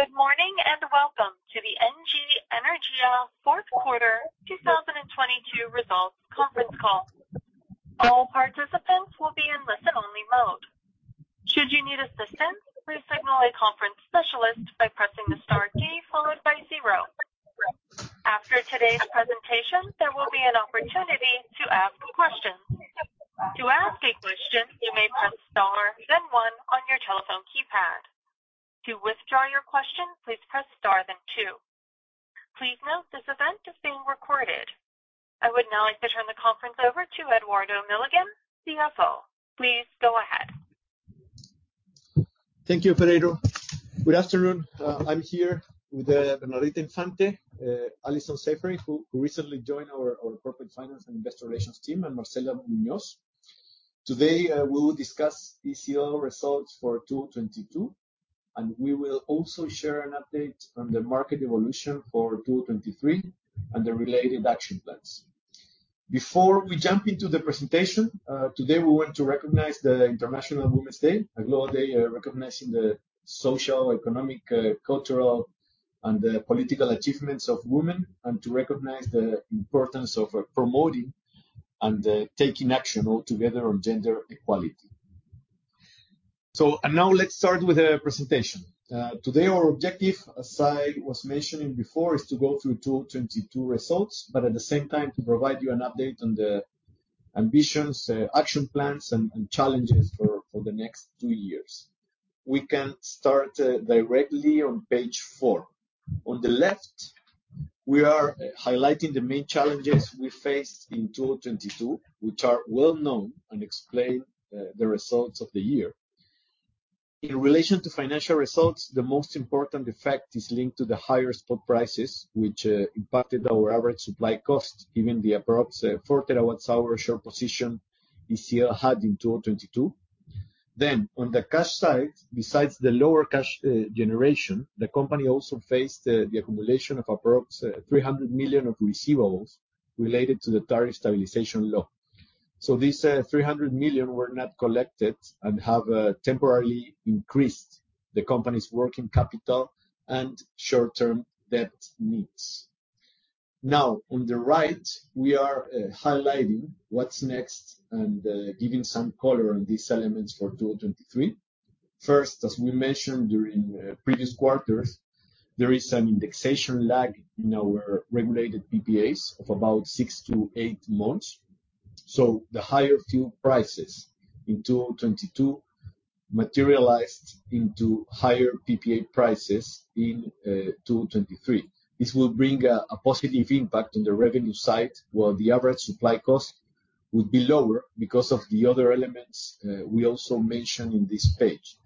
Good morning and welcome to the ENGIE Energía Chile Fourth Quarter 2022 Results Conference Call. All participants will be in listen-only mode. Should you need assistance, please signal a conference specialist by pressing the star key followed by zero. After today's presentation, there will be an opportunity to ask questions. To ask a question, you may press star then one on your telephone keypad. To withdraw your question, please press star then two. Please note this event is being recorded. I would now like to turn the conference over to Eduardo Milligan, CFO. Please go ahead. Thank you, Pedro. Good afternoon. I'm here with Bernardita Infante, Alison Saffery, who recently joined our Corporate Finance and Investor Relations team, and Marcela Muñoz. Today, we will discuss ECL results for 2022, and we will also share an update on the market evolution for 2023 and the related action plans. Before we jump into the presentation, today we want to recognize the International Women's Day, a global day recognizing the social, economic, cultural, and political achievements of women and to recognize the importance of promoting and taking action all together on gender equality. Now let's start with the presentation. Today our objective, as I was mentioning before, is to go through 2022 results, but at the same time to provide you an update on the ambitions, action plans, and challenges for the next twyears. We can start directly on page 4. On the left, we are highlighting the main challenges we faced in 2022, which are well-known and explain the results of the year. In relation to financial results, the most important effect is linked to the higher spot prices, which impacted our average supply cost, given the approx 4 terawatt-hour short position ECL had in 2022. On the cash side, besides the lower cash generation, the company also faced the accumulation of approx $300 million of receivables related to the Tariff Stabilization Law. These, $300 million were not collected and have temporarily increased the company's working capital and short-term debt needs. On the right, we are highlighting what's next and giving some color on these elements for 2023. First, as we mentioned during previous quarters, there is an indexation lag in our regulated PPAs of about 6-8 months. The higher fuel prices in 2022 materialized into higher PPA prices in 2023. This will bring a positive impact on the revenue side, while the average supply cost will be lower because of the other elements we also mention in this page.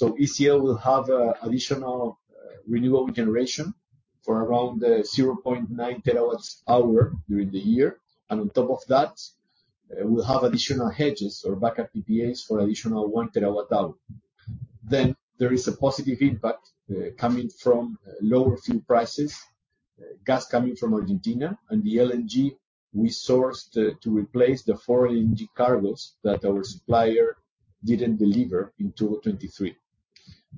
ECL will have additional renewable generation for around 0.9 TW hour during the year. On top of that, we'll have additional hedges or backup PPAs for additional 1 TW hour. There is a positive impact coming from lower fuel prices, gas coming from Argentina and the LNG we sourced to replace the foreign LNG cargos that our supplier didn't deliver in 2023.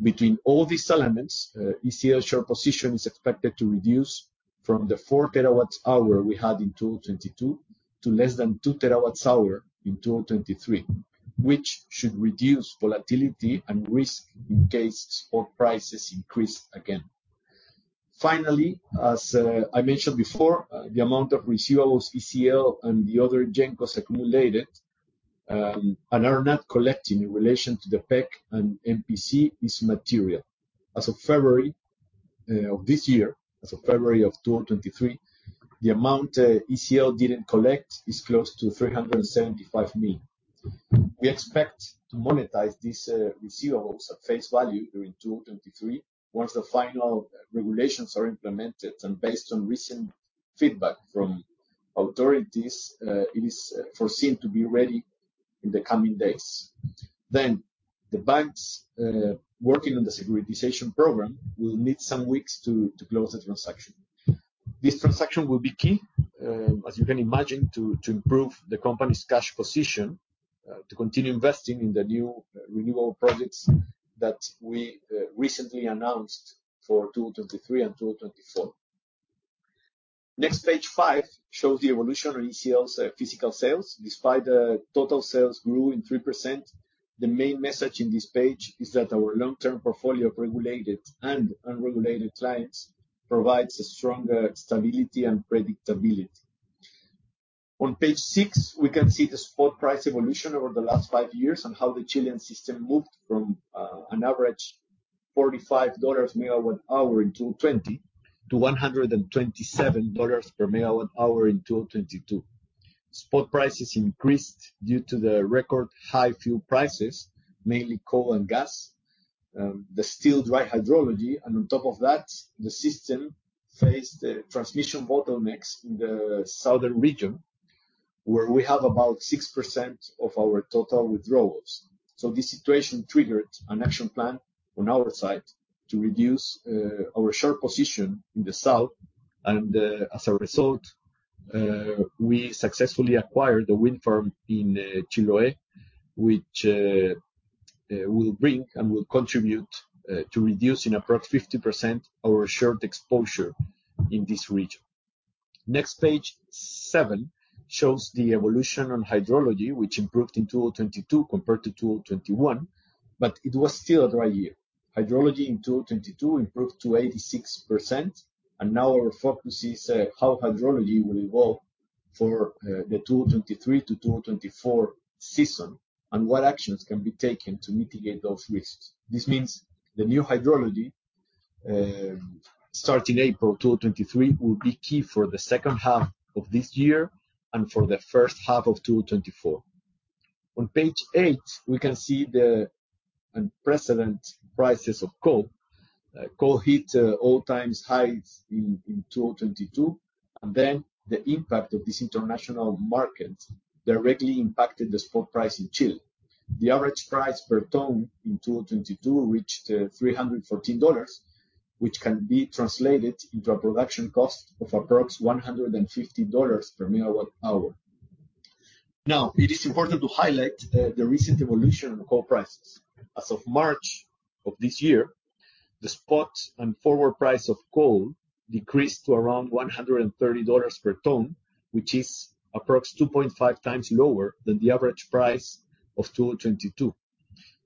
Between all these elements, ECL short position is expected to reduce from the 4 TW hour we had in 2022 to less than 2 TW hour in 2023, which should reduce volatility and risk in case spot prices increase again. Finally, as I mentioned before, the amount of receivables ECL and the other GENCOs accumulated and are not collecting in relation to the PEC and MPC is material. As of February of this year, as of February of 2023, the amount ECL didn't collect is close to $375 million. We expect to monetize these receivables at face value during 2023 once the final regulations are implemented, and based on recent feedback from authorities, it is foreseen to be ready in the coming days. The banks working on the securitization program will need some weeks to close the transaction. This transaction will be key, as you can imagine, to improve the company's cash position, to continue investing in the new renewable projects that we recently announced for 2023 and 2024. Next, page 5 shows the evolution of ECL's physical sales. Despite the total sales grew in 3%, the main message in this page is that our long-term portfolio of regulated and unregulated clients provides a stronger stability and predictability. On page 6, we can see the spot price evolution over the last 5 years and how the Chilean system moved from an average $45 megawatt hour in 2020 to $127 per megawatt hour in 2022. Spot prices increased due to the record high fuel prices, mainly coal and gas, the still dry hydrology, and on top of that, the system faced transmission bottlenecks in the southern region, where we have about 6% of our total withdrawals. This situation triggered an action plan on our side to reduce our short position in the south, we successfully acquired the wind farm in Chiloé, which will bring and will contribute to reducing approx 50% our short exposure in this region. Next page 7 shows the evolution on hydrology, which improved in 2022 compared to 2021, but it was still a dry year. Hydrology in 2022 improved to 86%, and now our focus is how hydrology will evolve for the 2023 to 2024 season and what actions can be taken to mitigate those risks. This means the new hydrology, starting April 2023 will be key for the second half of this year and for the first half of 2024. On page 8, we can see the unprecedented prices of coal. coal hit all-time highs in 2022. The impact of this international market directly impacted the spot price in Chile. The average price per ton in 2022 reached $314, which can be translated into a production cost of approx $150 per megawatt hour. It is important to highlight the recent evolution on coal prices. As of March of this year, the spot and forward price of coal decreased to around $130 per ton, which is approx 2.5 times lower than the average price of 2022.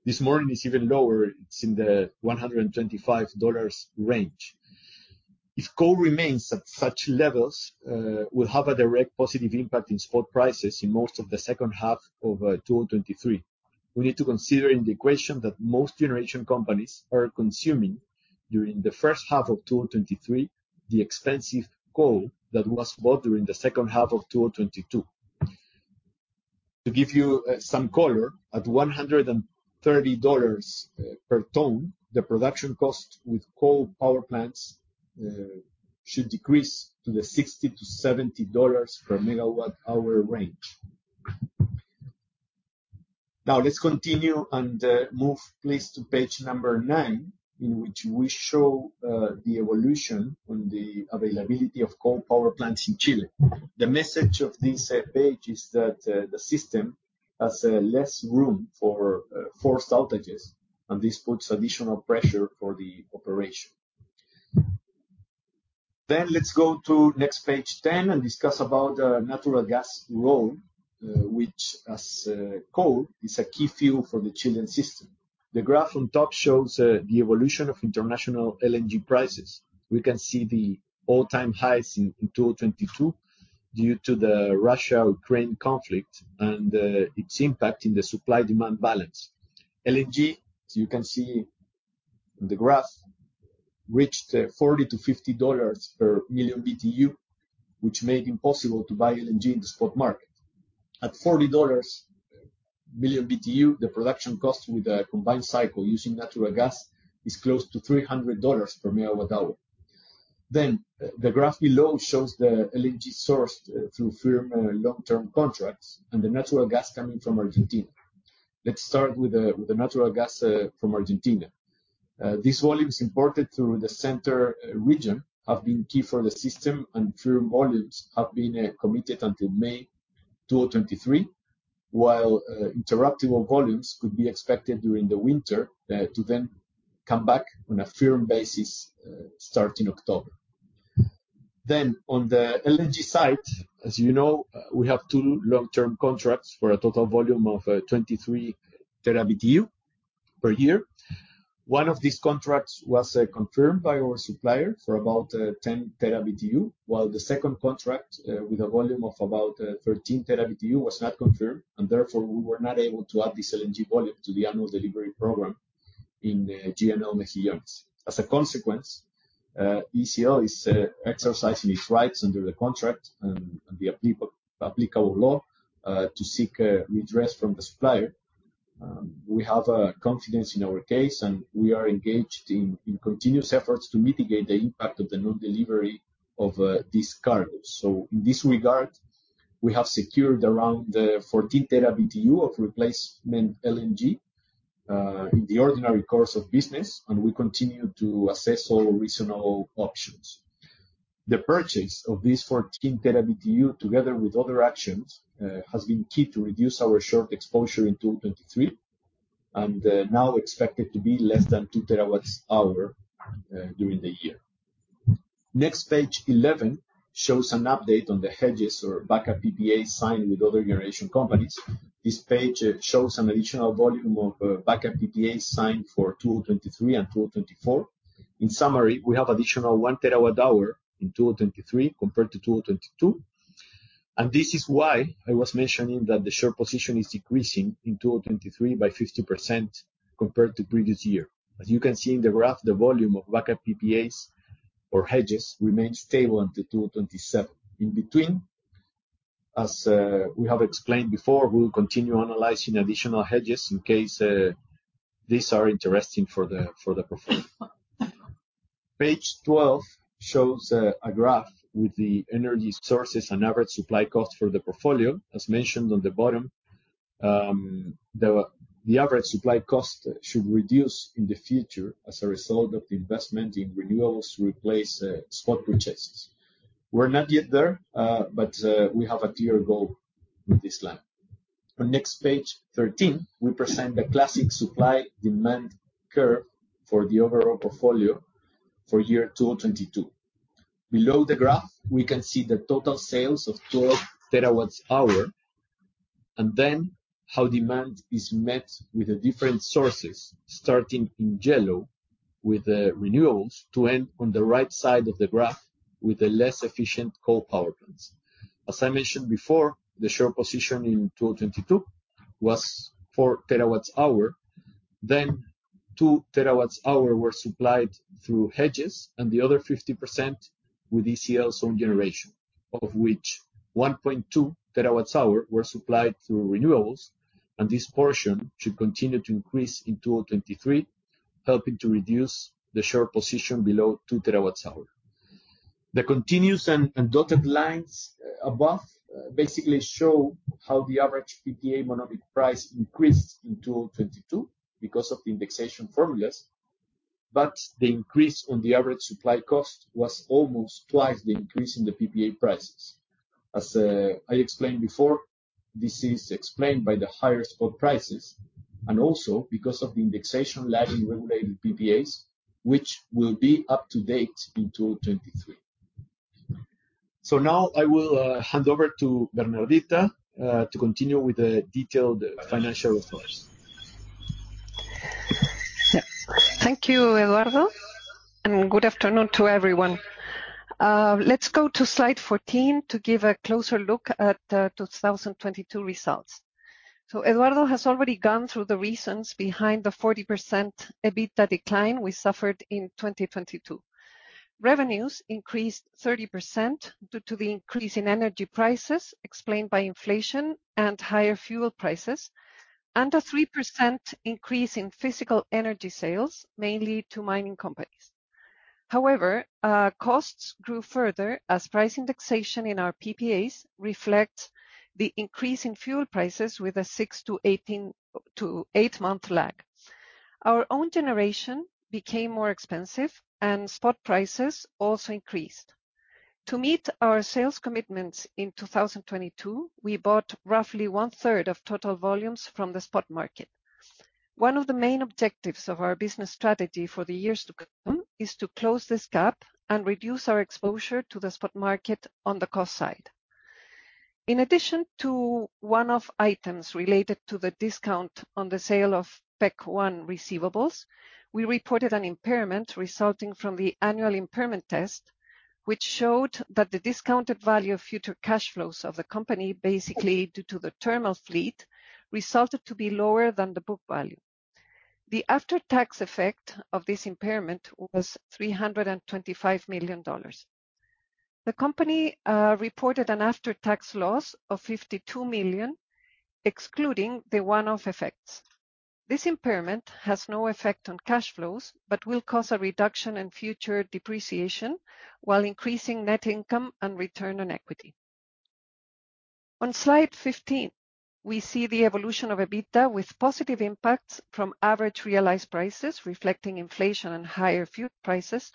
This morning it's even lower. It's in the $125 range. If coal remains at such levels, will have a direct positive impact in spot prices in most of the second half of 2023. We need to consider in the equation that most generation companies are consuming during the first half of 2023, the expensive coal that was bought during the second half of 2022. To give you some color, at $130 per ton, the production cost with coal power plants should decrease to the $60-$70 per megawatt hour range. Now let's continue and move please to page 9, in which we show the evolution on the availability of coal power plants in Chile. The message of this page is that the system has less room for forced outages, and this puts additional pressure for the operation. Let's go to next page 10 and discuss about natural gas role, which as coal, is a key fuel for the Chilean system. The graph on top shows the evolution of international LNG prices. We can see the all-time highs in 2022 due to the Russia-Ukraine conflict and its impact in the supply-demand balance. LNG, as you can see in the graph, reached $40-$50 per million Btu, which made impossible to buy LNG in the spot market. At $40 per million Btu, the production cost with a combined cycle using natural gas is close to $300 per megawatt hour. The graph below shows the LNG sourced through firm long-term contracts and the natural gas coming from Argentina. Let's start with the natural gas from Argentina. These volumes imported through the center region have been key for the system and firm volumes have been committed until May 2023, while interruptible volumes could be expected during the winter to then come back on a firm basis starting October. On the LNG side, as you know, we have two long-term contracts for a total volume of 23 TBtu per year. One of these contracts was confirmed by our supplier for about 10 TB Btu, while the second contract with a volume of about 13 TB Btu was not confirmed, and therefore we were not able to add this LNG volume to the annual delivery program in GNL Mejillones. As a consequence, ECL is exercising its rights under the contract and the applicable law to seek redress from the supplier. We have confidence in our case, and we are engaged in continuous efforts to mitigate the impact of the non-delivery of these cargoes. In this regard, we have secured around 14 terabyte Btu of replacement LNG in the ordinary course of business, and we continue to assess all reasonable options. The purchase of these 14 TBtu, together with other actions, has been key to reduce our short exposure in 2023 and now expected to be less than 2 TW-hours during the year. Next page 11 shows an update on the hedges or backup PPAs signed with other generation companies. This page shows an additional volume of backup PPAs signed for 2023 and 2024. In summary, we have additional 1 TW-hour in 2023 compared to 2022, and this is why I was mentioning that the short position is decreasing in 2023 by 50% compared to previous year. As you can see in the graph, the volume of backup PPAs or hedges remains stable until 2027. In between, as we have explained before, we will continue analyzing additional hedges in case these are interesting for the portfolio. Page 12 shows a graph with the energy sources and average supply cost for the portfolio. As mentioned on the bottom, the average supply cost should reduce in the future as a result of the investment in renewables to replace spot purchases. We're not yet there, but we have a clear goal with this plan. On next page 13, we present the classic supply-demand curve for the overall portfolio for year 2022. Below the graph, we can see the total sales of 12 TWh, and then how demand is met with the different sources, starting in yellow with the renewables, to end on the right side of the graph with the less efficient coal power plants. As I mentioned before, the short position in 2022 was 4 TW hour, then 2 TW hour were supplied through hedges, and the other 50% with ECL's own generation, of which 1.2 TW hour were supplied through renewables. This portion should continue to increase in 2023, helping to reduce the short position below 2 TW hour. The continuous and dotted lines above basically show how the average PPA monoprice price increased in 2022 because of the indexation formulas. The increase on the average supply cost was almost twice the increase in the PPA prices. As I explained before, this is explained by the higher spot prices, and also because of the indexation lag in regulated PPAs, which will be up to date in 2023. Now I will hand over to Bernardita to continue with the detailed financial reports. Thank you, Eduardo, good afternoon to everyone. Let's go to slide 14 to give a closer look at 2022 results. Eduardo has already gone through the reasons behind the 40% EBITDA decline we suffered in 2022. Revenues increased 30% due to the increase in energy prices explained by inflation and higher fuel prices, and a 3% increase in physical energy sales, mainly to mining companies. However, costs grew further as price indexation in our PPAs reflect the increase in fuel prices with a six to eight-month lag. Our own generation became more expensive and spot prices also increased. To meet our sales commitments in 2022, we bought roughly 1/3 of total volumes from the spot market. One of the main objectives of our business strategy for the years to come is to close this gap and reduce our exposure to the spot market on the cost side. In addition to one-off items related to the discount on the sale of PEC 1 receivables, we reported an impairment resulting from the annual impairment test, which showed that the discounted value of future cash flows of the company, basically due to the thermal fleet, resulted to be lower than the book value. The after-tax effect of this impairment was $325 million. The company reported an after-tax loss of $52 million, excluding the one-off effects. This impairment has no effect on cash flows, but will cause a reduction in future depreciation, while increasing net income and return on equity. On slide 15, we see the evolution of EBITDA with positive impacts from average realized prices reflecting inflation and higher fuel prices,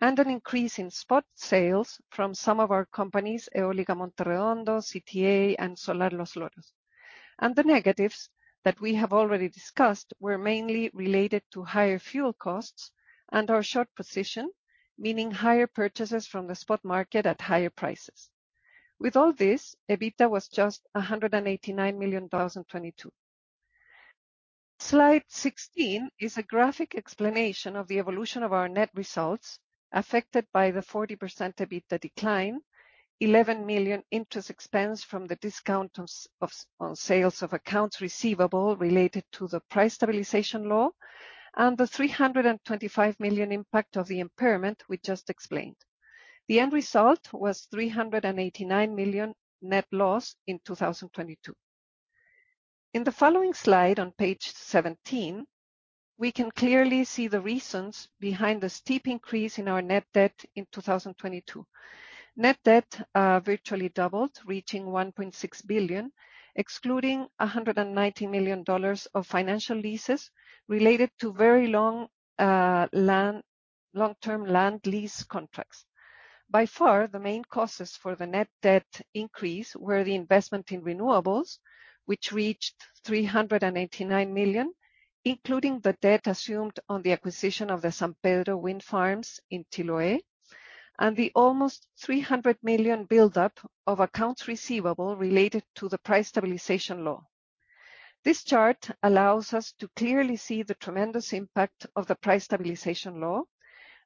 an increase in spot sales from some of our companies, Eolica Monterrey, CTA, and Solar Los Loros. The negatives that we have already discussed were mainly related to higher fuel costs and our short position, meaning higher purchases from the spot market at higher prices. All this, EBITDA was just $189 million in 2022. Slide 16 is a graphic explanation of the evolution of our net results affected by the 40% EBITDA decline, $11 million interest expense from the discount on sales of accounts receivable related to the Price Stabilization Law, and the $325 million impact of the impairment we just explained. The end result was $389 million net loss in 2022. In the following slide on page 17, we can clearly see the reasons behind the steep increase in our net debt in 2022. Net debt virtually doubled, reaching $1.6 billion, excluding $190 million of financial leases related to very long long-term land lease contracts. By far, the main causes for the net debt increase were the investment in renewables, which reached $389 million, including the debt assumed on the acquisition of the San Pedro wind farms in Chiloé, and the almost $300 million buildup of accounts receivable related to the Price Stabilization Law. This chart allows us to clearly see the tremendous impact of the Price Stabilization Law,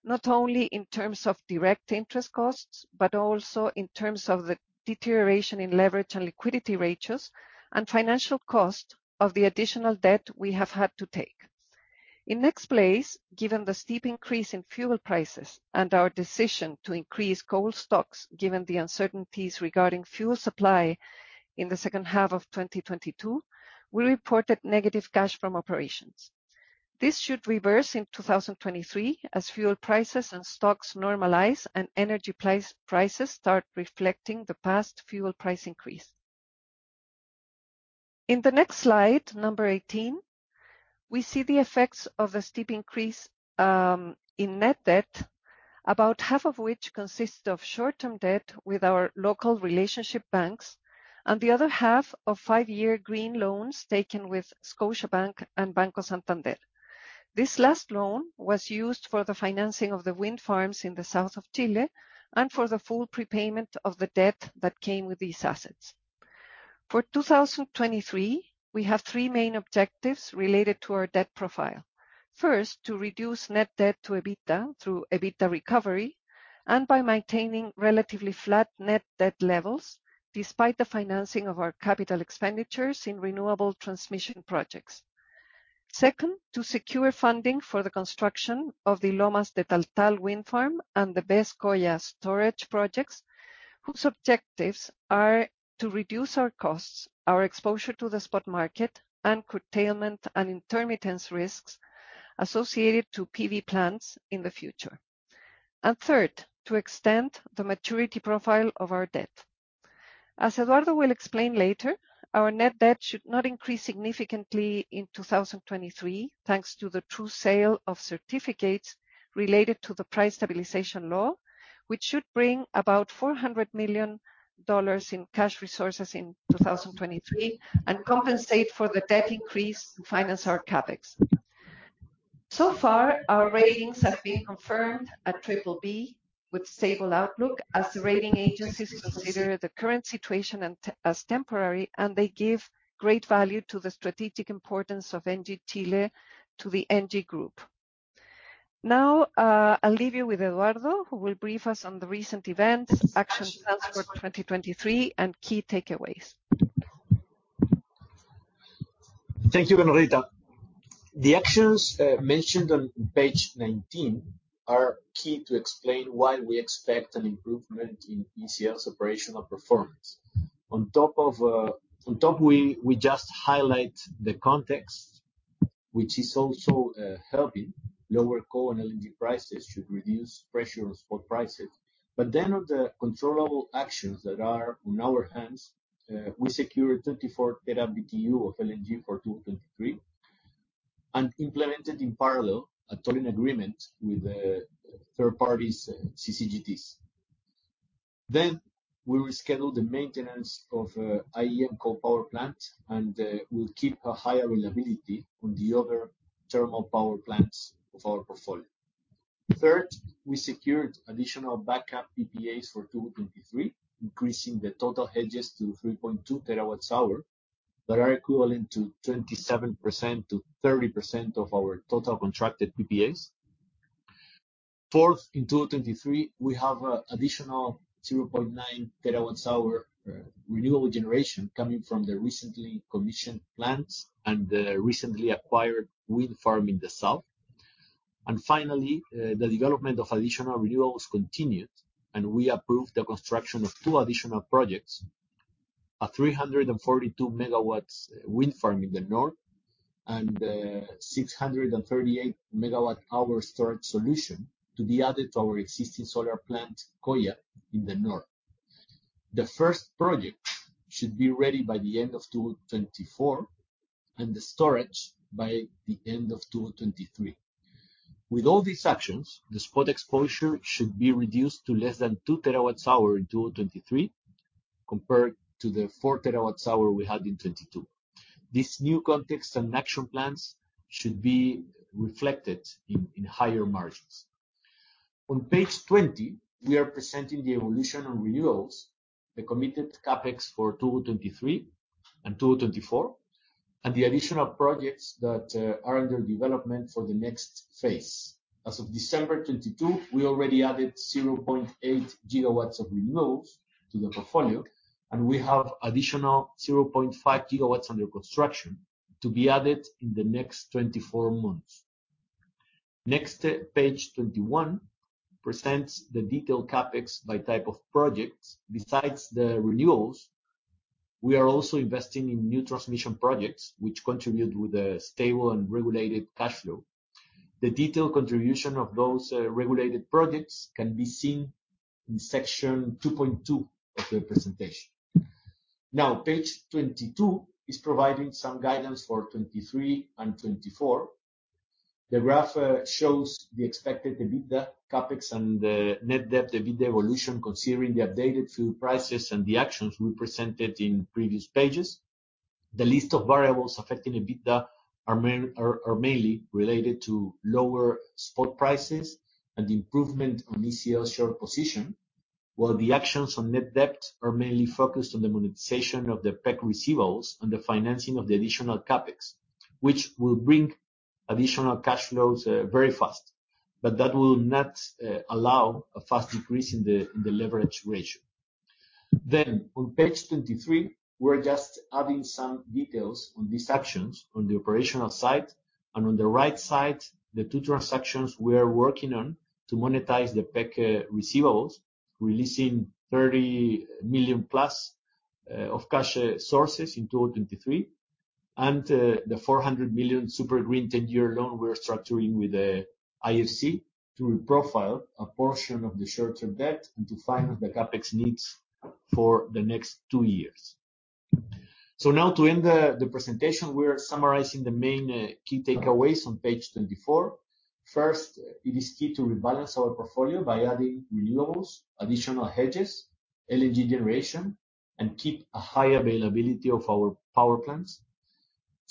not only in terms of direct interest costs, but also in terms of the deterioration in leverage and liquidity ratios and financial cost of the additional debt we have had to take. In next place, given the steep increase in fuel prices and our decision to increase coal stocks given the uncertainties regarding fuel supply in the second half of 2022, we reported negative cash from operations. This should reverse in 2023 as fuel prices and stocks normalize and energy prices start reflecting the past fuel price increase. In the next slide, number 18, we see the effects of a steep increase in net debt, about half of which consists of short-term debt with our local relationship banks and the other half of five-year green loans taken with Scotiabank and Banco Santander. This last loan was used for the financing of the wind farms in the south of Chile and for the full prepayment of the debt that came with these assets. For 2023, we have three main objectives related to our debt profile. First, to reduce net debt to EBITDA through EBITDA recovery and by maintaining relatively flat net debt levels despite the financing of our capital expenditures in renewable transmission projects. Second, to secure funding for the construction of the Lomas de Taltal wind farm and the BESS Coya storage projects, whose objectives are to reduce our costs, our exposure to the spot market, and curtailment and intermittence risks associated to PV plants in the future. Third, to extend the maturity profile of our debt. As Eduardo will explain later, our net debt should not increase significantly in 2023, thanks to the true sale of certificates related to the Price Stabilization Law, which should bring about $400 million in cash resources in 2023 and compensate for the debt increase to finance our CapEx. Far, our ratings have been confirmed at triple B with stable outlook as the rating agencies consider the current situation as temporary, and they give great value to the strategic importance of ENGIE Chile to the ENGIE Group. I'll leave you with Eduardo, who will brief us on the recent events, actions planned for 2023, and key takeaways. Thank you, Norita. The actions mentioned on page 19 are key to explain why we expect an improvement in ECL's operational performance. On top, we just highlight the context, which is also helping lower coal and LNG prices should reduce pressure on spot prices. But then on the controllable actions that are on our hands, we secured 34 TBtu of LNG for 2023 and implemented in parallel a tolling agreement with third parties' CCGTs. Then we rescheduled the maintenance of IEM coal power plant, and we'll keep a high availability on the other thermal power plants of our portfolio. Third, we secured additional backup PPAs for 2023, increasing the total hedges to 3.2 TW hour that are equivalent to 27%-30% of our total contracted PPAs. Fourth, in 2023, we have additional 0.9 TWh renewable generation coming from the recently commissioned plants and the recently acquired wind farm in the south. Finally, the development of additional renewables continued, and we approved the construction of two additional projects, a 342 MW wind farm in the north and a 638 MWh storage solution to be added to our existing solar plant, Coya, in the north. The first project should be ready by the end of 2024 and the storage by the end of 2023. With all these actions, the spot exposure should be reduced to less than 2 TWh in 2023 compared to the 4 TWh we had in 2022. This new context and action plans should be reflected in higher margins. On page 20, we are presenting the evolution on renewables, the committed CapEx for 2023 and 2024, and the additional projects that are under development for the next phase. As of December 2022, we already added 0.8 GW of renewables to the portfolio, and we have additional 0.5 GW under construction to be added in the next 24 months. Next, page 21 presents the detailed CapEx by type of projects. Besides the renewables, we are also investing in new transmission projects which contribute with a stable and regulated cash flow. The detailed contribution of those regulated projects can be seen in section 2.2 of the presentation. Now, page 22 is providing some guidance for 2023 and 2024. The graph shows the expected EBITDA, CapEx and net debt EBITDA evolution considering the updated fuel prices and the actions we presented in previous pages. The list of variables affecting EBITDA are mainly related to lower spot prices and improvement on ECL's share position, while the actions on net debt are mainly focused on the monetization of the PEC receivables and the financing of the additional CapEx, which will bring additional cash flows very fast. That will not allow a fast decrease in the leverage ratio. On page 23, we're just adding some details on these actions on the operational side. On the right side, the two transactions we are working on to monetize the PEC receivables, releasing $30 million-plus of cash sources in 2023. The $400 million super green 10-year loan we're structuring with the IFC to re-profile a portion of the short-term debt and to finance the CapEx needs for the next two years. Now to end the presentation, we are summarizing the main key takeaways on page 24. First, it is key to rebalance our portfolio by adding renewables, additional hedges, LNG generation, and keep a high availability of our power plants.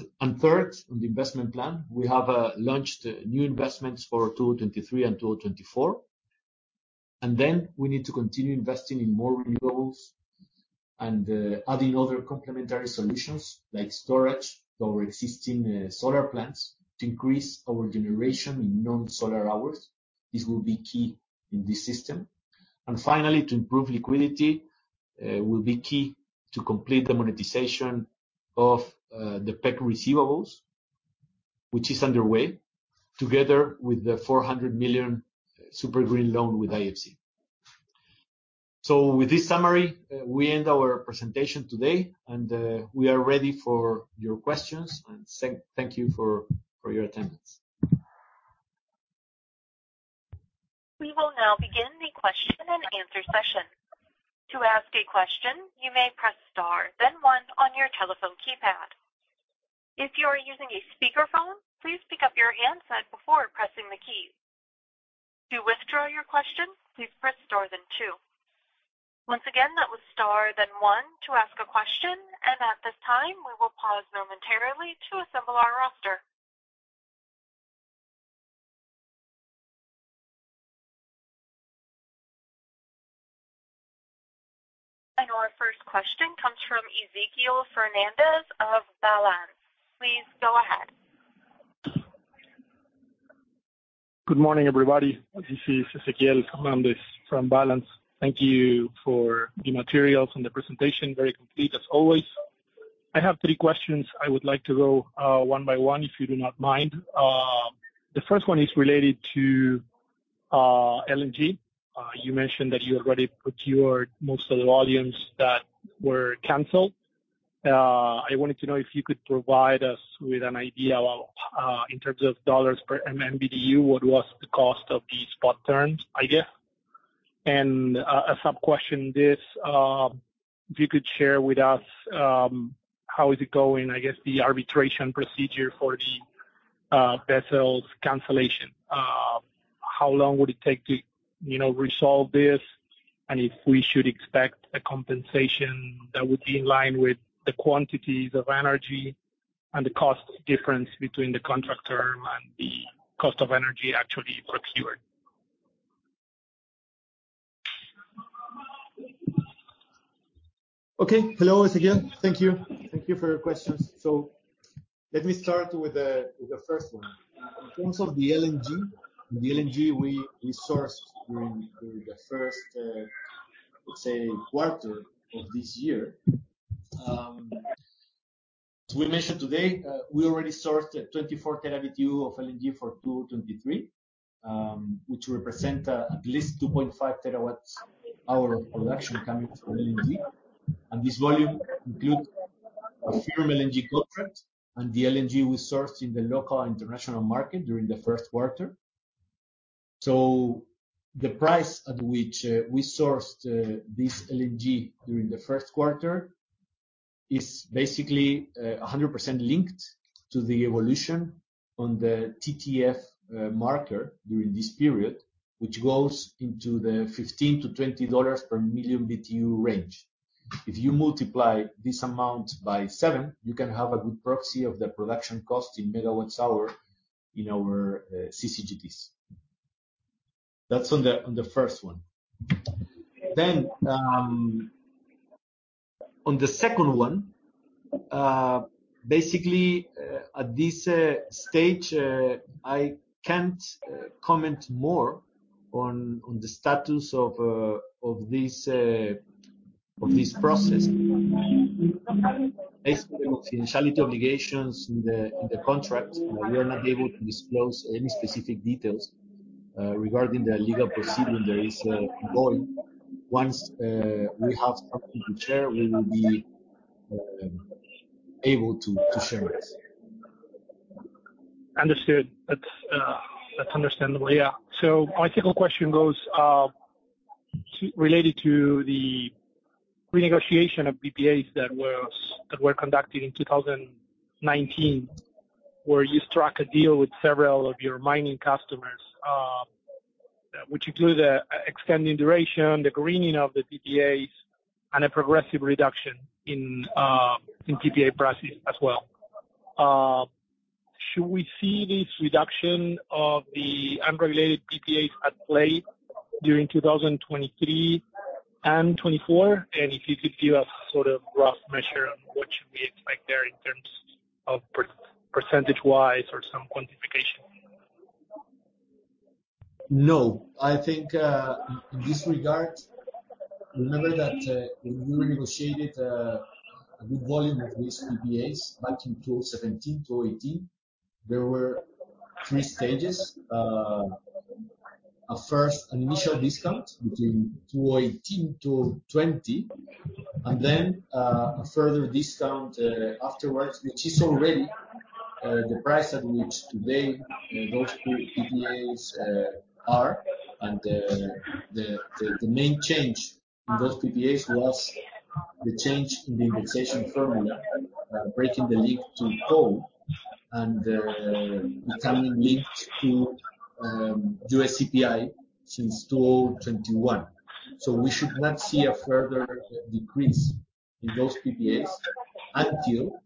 Second and third, on the investment plan, we have launched new investments for 2023 and 2024. We need to continue investing in more renewables and adding other complementary solutions like storage to our existing solar plants to increase our generation in non-solar hours. This will be key in this system. Finally, to improve liquidity, will be key to complete the monetization of the PEC receivables, which is underway, together with the $400 million super green loan with IFC. With this summary, we end our presentation today, and we are ready for your questions. Thank you for your attendance. We will now begin the question-and-answer session. To ask a question, you may press star, then one on your telephone keypad. If you are using a speakerphone, please pick up your handset before pressing the key. To withdraw your question, please press star then two. Once again, that was star then one to ask a question. At this time, we will pause momentarily to assemble our roster. Our first question comes from Ezequiel Fernandez of Balanz. Please go ahead. Good morning, everybody. This is Ezequiel Fernandez from Balanz. Thank you for the materials and the presentation. Very complete as always. I have three questions I would like to go, one by one, if you do not mind. The first one is related to LNG. You mentioned that you already procured most of the volumes that were canceled. I wanted to know if you could provide us with an idea about, in terms of dollars per MMBtu, what was the cost of these spot terms, I guess. A sub question this, if you could share with us, how is it going, I guess, the arbitration procedure for the vessels cancellation? How long would it take to, you know, resolve this, and if we should expect a compensation that would be in line with the quantities of energy and the cost difference between the contract term and the cost of energy actually procured? Okay. Hello Ezequiel. Thank you. Thank you for your questions. Let me start with the first one. In terms of the LNG. The LNG we sourced during the first, let's say quarter of this year. As we mentioned today, we already sourced 24 TBtu of LNG for 2023, which represent at least 2.5 TW hour of production coming from LNG. This volume include a firm LNG contract and the LNG we sourced in the local international market during the first quarter. The price at which we sourced this LNG during the first quarter is basically 100% linked to the evolution on the TTF marker during this period, which goes into the $15-$20 per million BTU range. If you multiply this amount by seven, you can have a good proxy of the production cost in megawatt-hour in our CCGTs. That's on the first one. Basically, at this stage, I can't comment more on the status of this process. Based on the confidentiality obligations in the contract, we are not able to disclose any specific details regarding the legal proceeding that is ongoing. Once we have something to share, we will be able to share this. Understood. That's understandable. Yeah. My second question goes related to the renegotiation of PPAs that were conducted in 2019, where you struck a deal with several of your mining customers, which include extending duration, the greening of the PPAs and a progressive reduction in PPA prices as well. Should we see this reduction of the unregulated PPAs at play during 2023 and 2024? If you could give a sort of rough measure on what should we expect there in terms of percentage-wise or some quantification? I think, in this regard, remember that, when we renegotiated, a good volume of these PPAs back in 2017, 2018, there were three stages. A first, an initial discount between 2018-2020, and then, a further discount afterwards, which is already the price at which today those two PPAs are. The main change in those PPAs was the change in the indexation formula, breaking the link to coal and becoming linked to US CPI since 2021. We should not see a further decrease in those PPAs until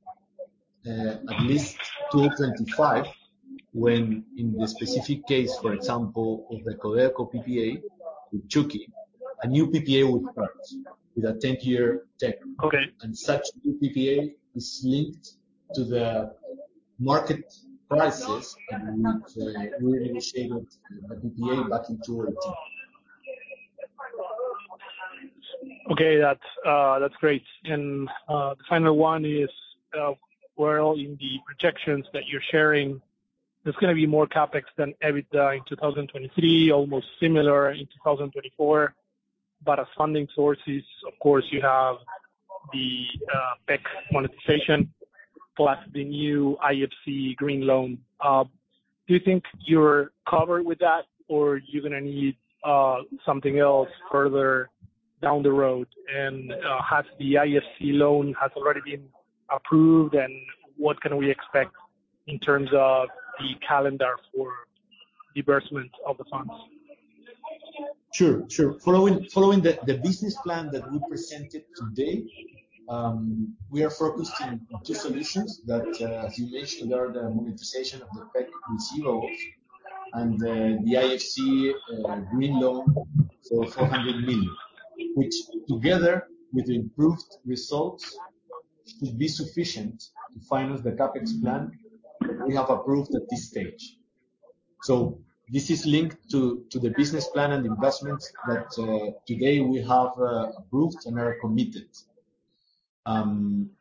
at least 2025, when in the specific case, for example, of the Codelco PPA with Chuqui, a new PPA will start with a 10-year term. Okay. Such new PPA is linked to the market prices and we negotiated the PPA back in 2018. Okay. That's great. The final one is, well, in the projections that you're sharing, there's gonna be more CapEx than EBITDA in 2023, almost similar in 2024. As funding sources, of course, you have the PEC monetization plus the new IFC green loan. Do you think you're covered with that, or are you gonna need something else further down the road? Has the IFC loan already been approved, and what can we expect in terms of the calendar for disbursement of the funds? Sure. Following the business plan that we presented today, we are focused on two solutions that, as you mentioned, are the monetization of the PEC receivables and the IFC green loan for $400 million. Which together with improved results, should be sufficient to finance the CapEx plan we have approved at this stage. This is linked to the business plan and investments that today we have approved and are committed.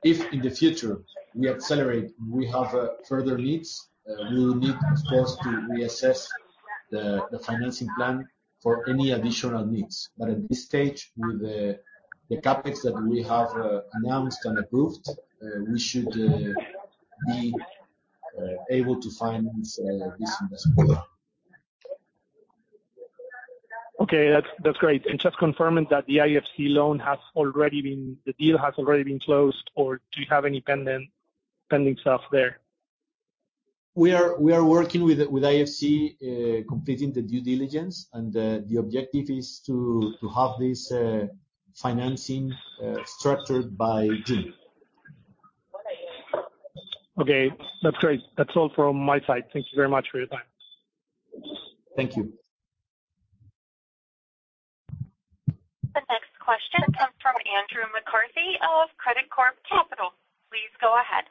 If in the future we accelerate, we have further needs, we will need of course to reassess the financing plan for any additional needs. At this stage, with the CapEx that we have announced and approved, we should be able to finance this investment. Okay. That's great. Just confirming that the IFC loan has already been closed, or do you have any pending stuff there? We are working with IFC, completing the due diligence. The objective is to have this financing structured by June. Okay. That's great. That's all from my side. Thank you very much for your time. Thank you. The next question comes from Andrew McCarthy of Credicorp Capital. Please go ahead.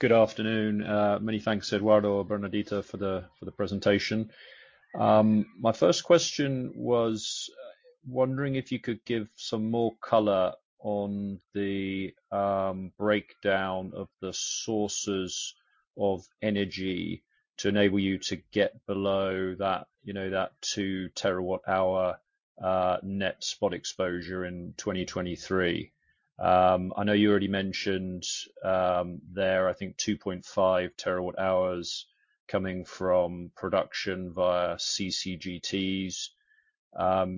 Good afternoon. Many thanks, Eduardo, Bernardita, for the presentation. My first question was wondering if you could give some more color on the breakdown of the sources of energy to enable you to get below that, you know, that 2 TW hour net spot exposure in 2023. I know you already mentioned there I think 2.5 TW hours coming from production via CCGTs.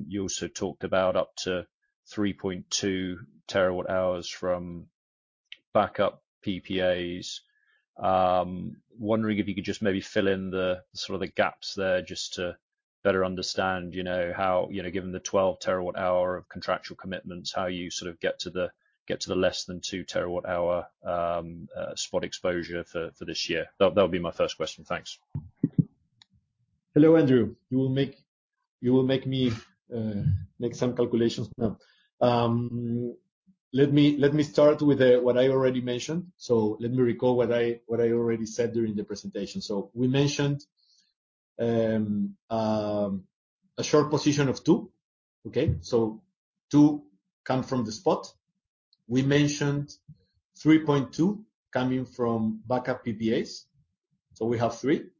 You also talked about up to 3.2 TW hours from backup PPAs. Wondering if you could just maybe fill in the sort of the gaps there just to better understand, you know, how, you know, given the 12 TW hour of contractual commitments, how you sort of get to the get to the less than 2 TW hour spot exposure for this year. That'll be my first question. Thanks. Hello, Andrew. You will make me make some calculations now. Let me start with what I already mentioned. Let me recall what I already said during the presentation. We mentioned a short position of 2. Okay? Two come from the spot. We mentioned 3.2 coming from backup PPAs, so we have three.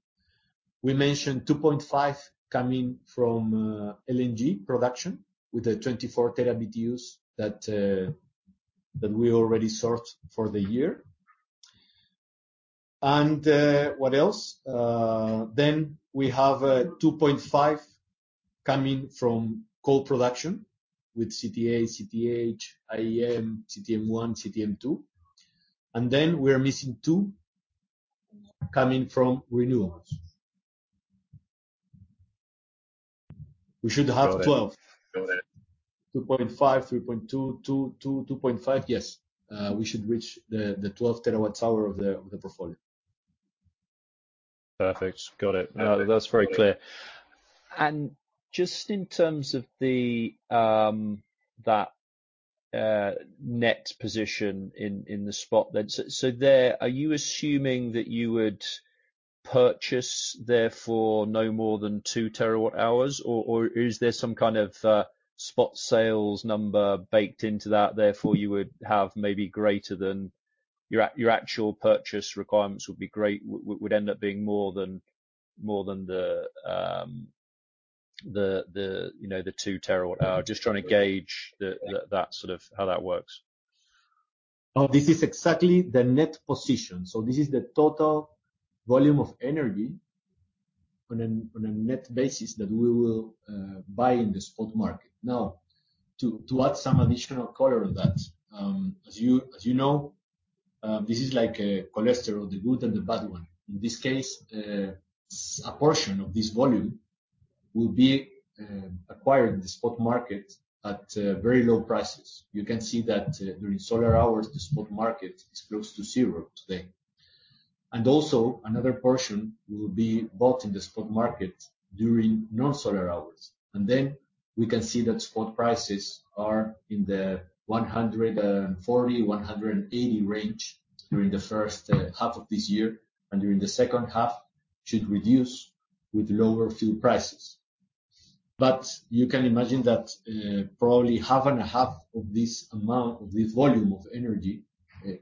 We mentioned 2.5 coming from LNG production with the 24 TBtu that we already sourced for the year. What else? We have 2.5 coming from coal production with CTA, CTH, IEM, CTM1, CTM2. We are missing two coming from renewables. We should have 12. Got it. 2.5, 3.2, 2.5. Yes. We should reach the 12 TWh of the portfolio. Perfect. Got it. Perfect. That's very clear. Just in terms of the, that net position in the spot then. There, are you assuming that you would purchase therefore no more than 2 TW hours or is there some kind of spot sales number baked into that, therefore you would have maybe greater than 2? Your actual purchase requirements would end up being more than the, you know, the 2 TW hour. Just trying to gauge the, that sort of how that works. This is exactly the net position. This is the total volume of energy on a net basis that we will buy in the spot market. To add some additional color on that, as you know, this is like a cholesterol, the good and the bad one. In this case, a portion of this volume will be acquired in the spot market at very low prices. You can see that during solar hours, the spot market is close to zero today. Another portion will be bought in the spot market during non-solar hours. We can see that spot prices are in the $140-$180 range during the 1st half of this year, and during the 2nd half should reduce with lower fuel prices. You can imagine that, probably half and half of this amount, of this volume of energy,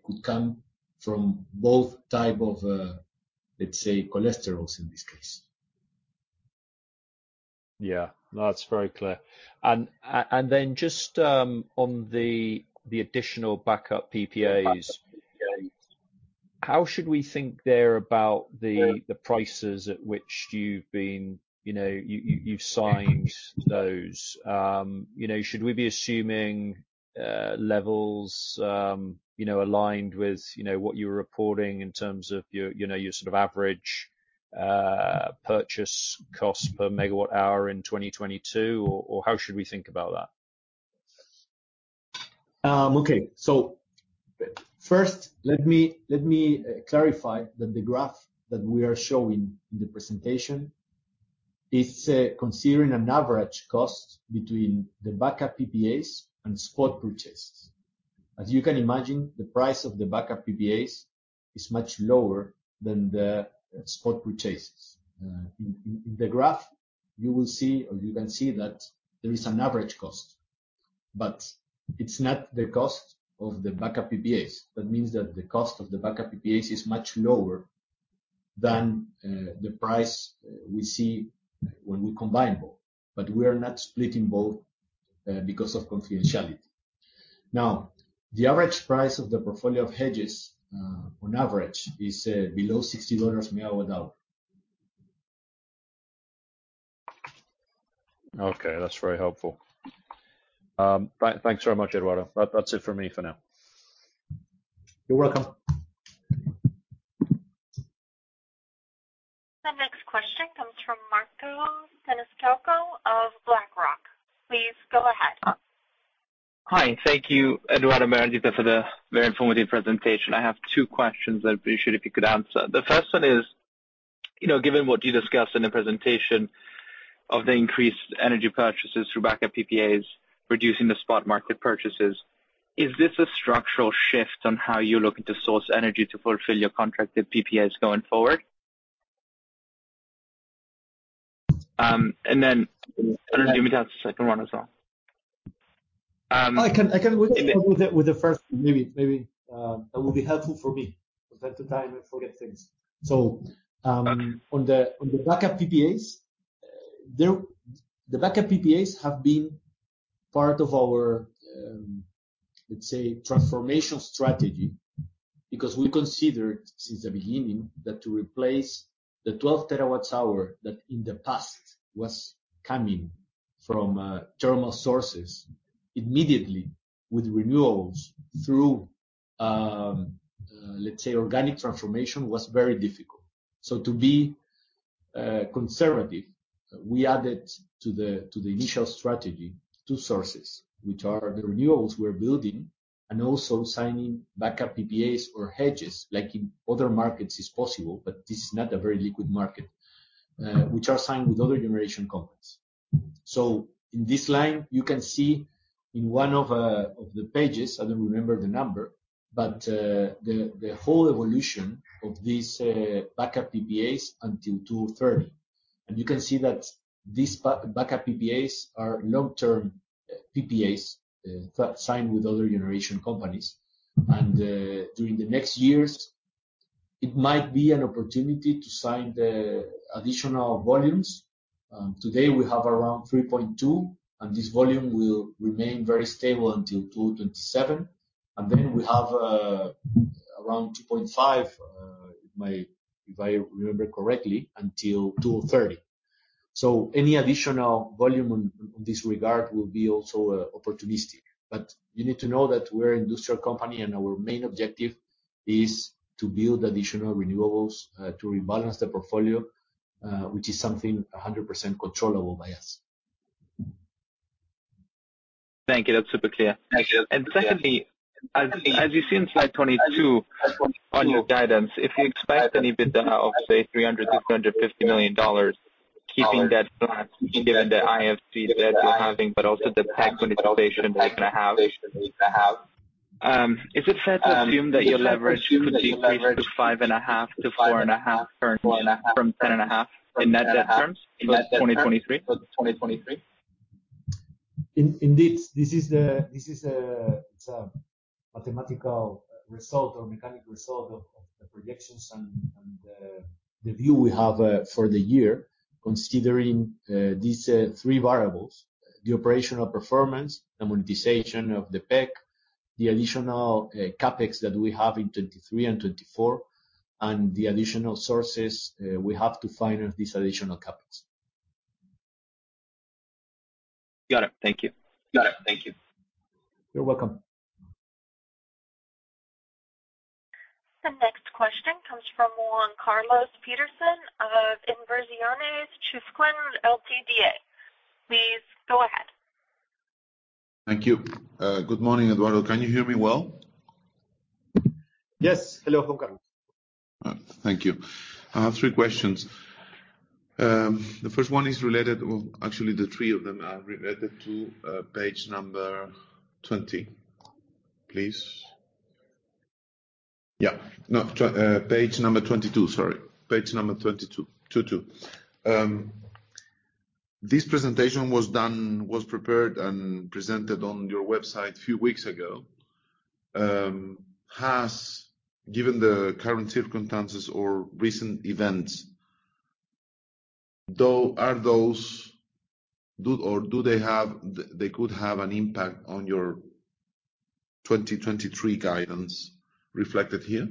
could come from both type of, let's say, cholesterols in this case. Yeah. No, that's very clear. Just on the additional backup PPAs. Backup PPAs. How should we think there about? Yeah. the prices at which you've been, you know, you've signed those? You know, should we be assuming levels, you know, aligned with, you know, what you were reporting in terms of your, you know, your sort of average purchase cost per megawatt hour in 2022? Or how should we think about that? Okay. First, let me clarify that the graph that we are showing in the presentation is considering an average cost between the backup PPAs and spot purchases. As you can imagine, the price of the backup PPAs is much lower than the spot purchases. In the graph, you will see or you can see that there is an average cost, but it's not the cost of the backup PPAs. That means that the cost of the backup PPAs is much lower than the price we see when we combine both. We are not splitting both because of confidentiality. The average price of the portfolio of hedges, on average is below $60 MW hour. Okay, that's very helpful. thanks very much, Eduardo. That's it for me for now. You're welcome. The next question comes from Marco Siniscalco of BlackRock. Please go ahead. Hi. Thank you, Eduardo, Maria, for the very informative presentation. I have two questions I'd appreciate if you could answer. The first one is, you know, given what you discussed in the presentation of the increased energy purchases through backup PPAs, reducing the spot market purchases, is this a structural shift on how you're looking to source energy to fulfill your contracted PPAs going forward? I don't know, maybe that's the second one as well. I can. And then- with the first one, maybe, that would be helpful for me. Sometimes I forget things. On the backup PPAs, the backup PPAs have been part of our, let's say, transformation strategy, because we considered since the beginning that to replace the 12 TW hour that in the past was coming from thermal sources immediately with renewables through, let's say, organic transformation was very difficult. To be conservative, we added to the initial strategy two sources, which are the renewables we're building and also signing backup PPAs or hedges, like in other markets it's possible, but this is not a very liquid market, which are signed with other generation companies. In this line, you can see in one of the pages, I don't remember the number, the whole evolution of these backup PPAs until 2030. You can see that these backup PPAs are long-term PPAs signed with other generation companies. During the next years, it might be an opportunity to sign the additional volumes. Today we have around 3.2, this volume will remain very stable until 2027. We have around 2.5, if I remember correctly, until 2030. Any additional volume on this regard will be also opportunistic. You need to know that we're industrial company, and our main objective is to build additional renewables to rebalance the portfolio, which is something 100% controllable by us. Thank you. That's super clear. Thank you. Secondly, as you see in slide 22 on your guidance, if you expect an EBITDA of, say, $300 million-$350 million, keeping that flat given the IFC debt you're having, but also the tax monetization you need to have, is it fair to assume that your leverage could decrease to 5.5 to 4.5 turn from 10.5 in net debt terms for 2023? Indeed, this is the, this is a, it's a mathematical result or mechanical result of the projections and the view we have for the year, considering these three variables: the operational performance, the monetization of the PEC, the additional CapEx that we have in 2023 and 2024, and the additional sources we have to finance these additional CapEx. Got it. Thank you. Got it. Thank you. You're welcome. The next question comes from Juan Carlos Peterson of Inversiones Chusquin Ltda. Please go ahead. Thank you. Good morning, Eduardo. Can you hear me well? Yes. Hello, Juan Carlos. Thank you. I have three questions. The first one is related... Well, actually the three of them are related to page number 20, please. Yeah. No, page number 22, sorry. Page number 22. 2 2. This presentation was done, was prepared, and presented on your website a few weeks ago. Has, given the current circumstances or recent events, though, are those... Do or do they have, they could have an impact on your 2023 guidance reflected here?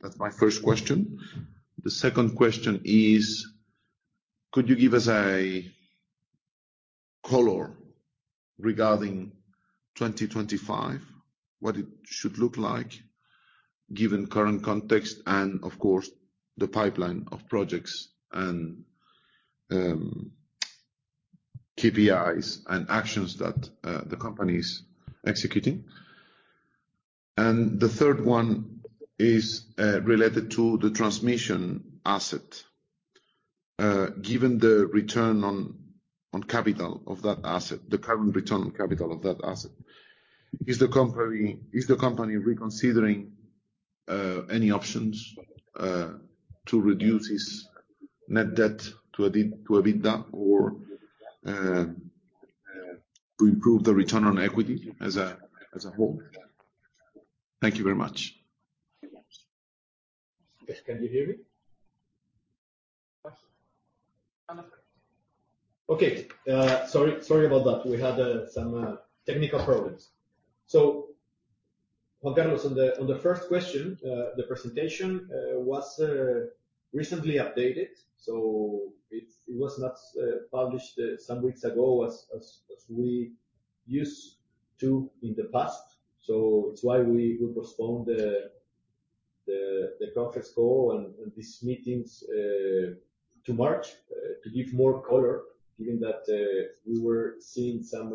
That's my first question. The second question is, could you give us a color regarding 2025? What it should look like given current context and of course the pipeline of projects and KPIs and actions that the company's executing? The third one is related to the transmission asset. Given the return on capital of that asset, the current return on capital of that asset, is the company reconsidering any options to reduce its net debt to EBITDA or to improve the return on equity as a whole? Thank you very much. Can you hear me? Yes. Okay. Sorry about that. We had some technical problems. Juan Carlos, on the first question, the presentation was recently updated, so it was not published some weeks ago as we used to in the past. That's why we postponed the conference call and these meetings to March to give more color, given that we were seeing some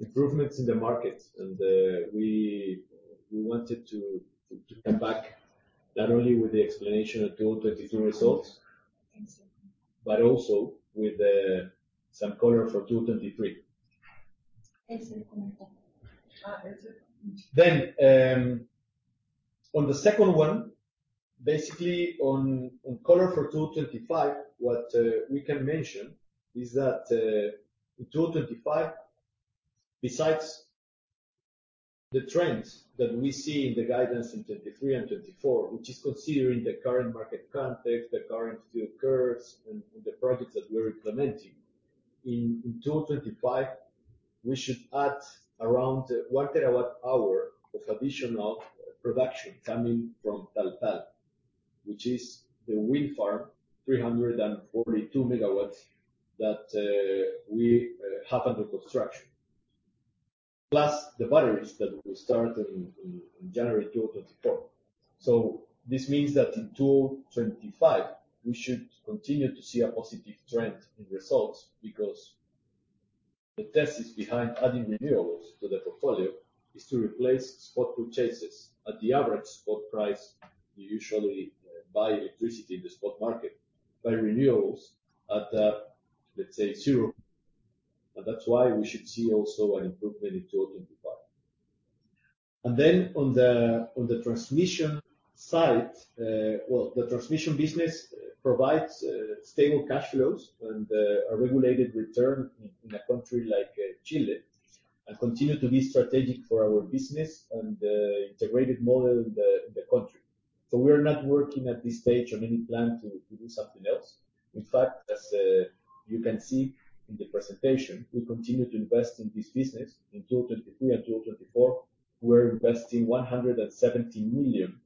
improvements in the market. We wanted to come back not only with the explanation of 2022 results, but also with some color for 2023. On the second one, basically on color for 2025, what we can mention is that in 2025, besides the trends that we see in the guidance in 2023 and 2024, which is considering the current market context, the current fuel curves and the projects that we're implementing. In 2025, we should add around 1 TW hour of additional production coming from Tal Tal, which is the wind farm, 342 MW that we have under construction. Plus the batteries that we start in January 2024. This means that in 2025, we should continue to see a positive trend in results because the thesis behind adding renewables to the portfolio is to replace spot purchases at the average spot price you usually buy electricity in the spot market by renewables at, let's say zero. That's why we should see also an improvement in 2025. Then on the transmission side, well, the transmission business provides stable cash flows and a regulated return in a country like Chile, and continue to be strategic for our business and integrated model in the country. We are not working at this stage on any plan to do something else. As you can see in the presentation, we continue to invest in this business. In 2023 and 2024, we're investing $170 million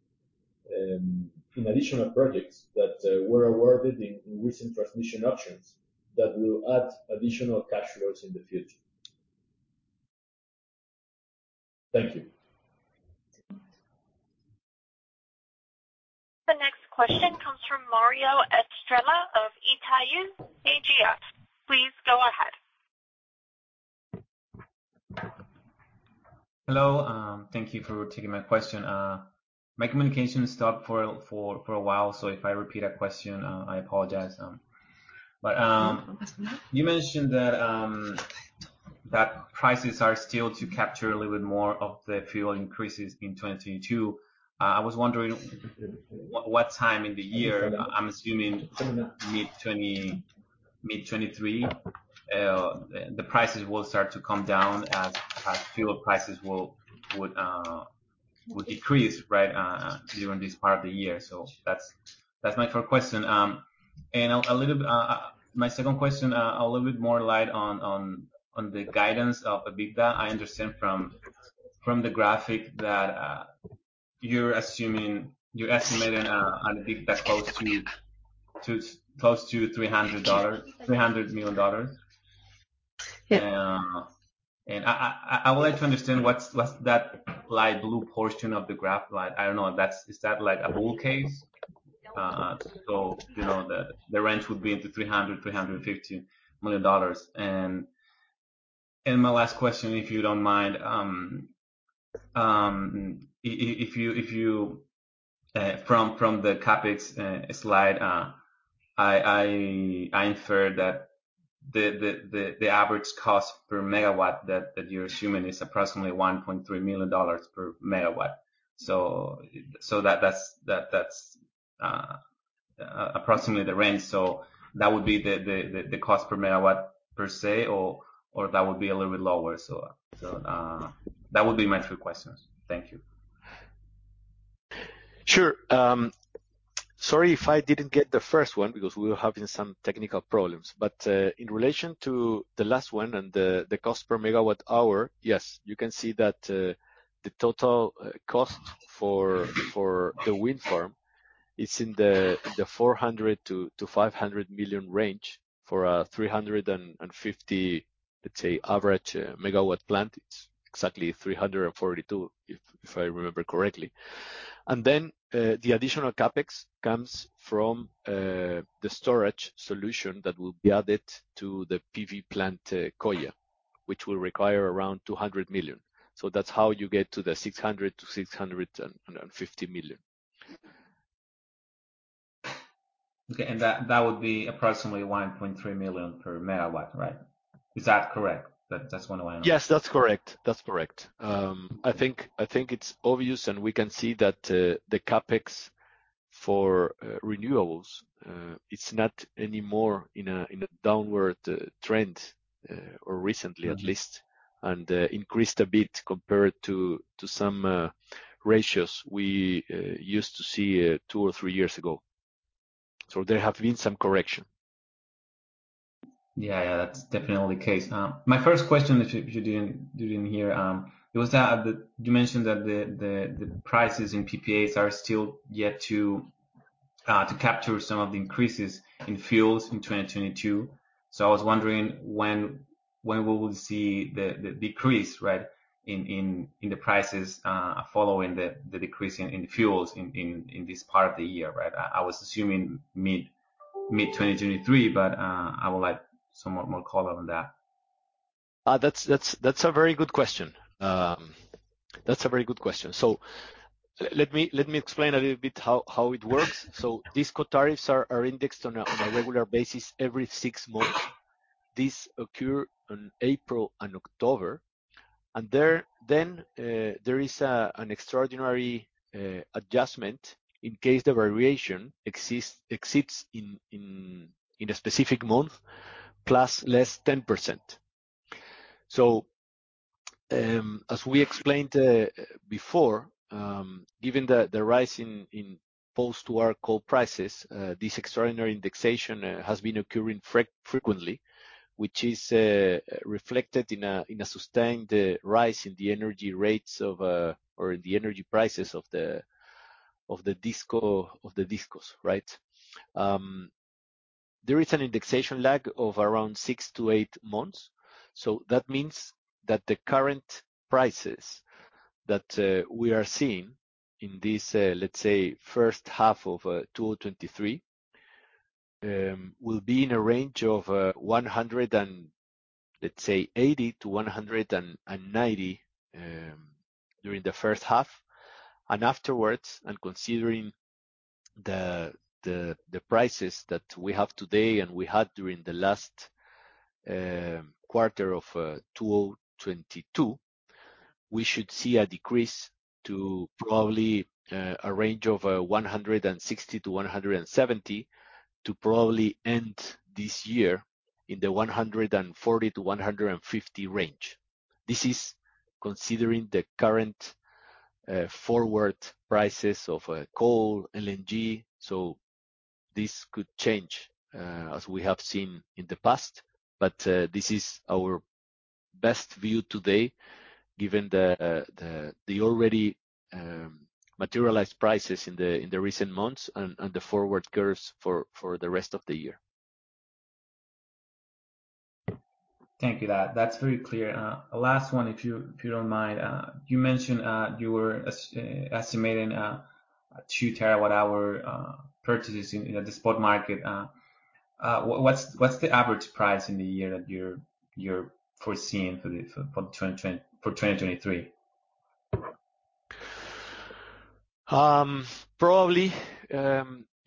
in additional projects that were awarded in recent transmission auctions that will add additional cash flows in the future. Thank you. The next question comes from Mario Estrella of Itaú BBI. Please go ahead. Hello. Thank you for taking my question. My communication stopped for a while, so if I repeat a question, I apologize. You mentioned that prices are still to capture a little bit more of the fuel increases in 2022. I was wondering what time in the year, I'm assuming mid 2022, mid 2023, the prices will start to come down as fuel prices would decrease, right, during this part of the year. That's my third question. A little bit, my second question, a little bit more light on the guidance of EBITDA. I understand from the graphic that you're estimating an EBITDA close to $300 million. Yeah. I would like to understand what's that light blue portion of the graph like? I don't know if that's like a bull case? You know, the range would be between $300 million-$350 million. My last question, if you don't mind, if you from the CapEx slide, I inferred that the average cost per megawatt that you're assuming is approximately $1.3 million per megawatt. That's approximately the range. That would be the cost per megawatt per se or that would be a little bit lower? That would be my three questions. Thank you. Sure. sorry if I didn't get the first one because we were having some technical problems. in relation to the last one and the cost per megawatt hour, yes. You can see the total cost for the wind farm is in the $400 million-$500 million range for 350, let's say, average megawatt plant. It's exactly 342, if I remember correctly. The additional CapEx comes from the storage solution that will be added to the PV plant, Coya, which will require around $200 million. That's how you get to the $600 million-$650 million. Okay. That would be approximately $1.3 million per megawatt, right? Is that correct? That's just want to Yes, that's correct. That's correct. I think it's obvious, and we can see that the CapEx for renewables it's not anymore in a downward trend or recently at least, and increased a bit compared to some ratios we used to see two or three years ago. There have been some correction. Yeah. Yeah. That's definitely the case. My first question, if you didn't hear, You mentioned that the prices in PPAs are still yet to capture some of the increases in fuels in 2022. I was wondering when we would see the decrease, right, in the prices, following the decrease in fuels in this part of the year, right? I was assuming mid-2023, I would like some more color on that. That's a very good question. That's a very good question. Let me explain a little bit how it works. These coal tariffs are indexed on a regular basis every six months. These occur in April and October. Then there is an extraordinary adjustment in case the variation exists, exceeds in a specific month, plus or less 10%. As we explained before, given the rise in post war coal prices, this extraordinary indexation has been occurring frequently, which is reflected in a sustained rise in the energy rates of or in the energy prices of the discos, right? There is an indexation lag of around six to eight months. That means that the current prices that we are seeing in this first half of 2023 will be in a range of $180-$190 during the first half. Afterwards, considering the prices that we have today and we had during the last quarter of 2022, we should see a decrease to probably a range of $160-$170, to probably end this year in the $140-$150 range. This is considering the current forward prices of coal, LNG. This could change as we have seen in the past. This is our best view today given the already materialized prices in the recent months and the forward curves for the rest of the year. Thank you. That's very clear. Last one, if you don't mind. You mentioned you were estimating 2 TW hour purchases in the spot market. What's the average price in the year that you're foreseeing for 2023? Probably.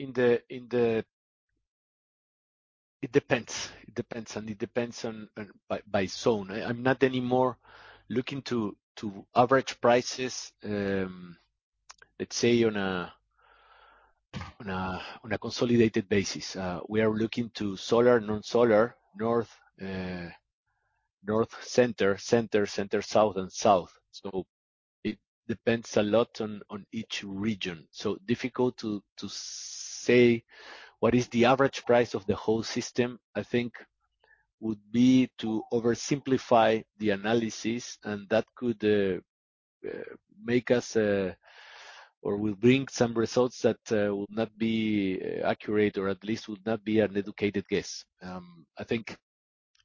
It depends. It depends on by zone. I'm not anymore looking to average prices, let's say, on a consolidated basis, we are looking to solar, non-solar, north-center, center-center, south, and south. It depends a lot on each region. Difficult to say what is the average price of the whole system, I think would be to oversimplify the analysis, and that could make us or will bring some results that will not be accurate or at least would not be an educated guess. I think